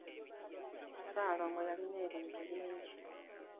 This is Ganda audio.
Ssaalongo yalina ebintu bingi.